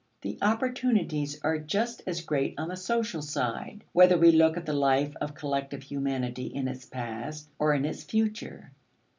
The opportunities are just as great on the social side, whether we look at the life of collective humanity in its past or in its future.